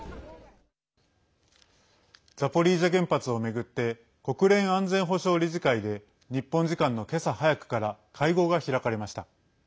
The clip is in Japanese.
ザポリージャ原発を巡って国連安全保障理事会で日本時間の今朝早くから会合が開かれました。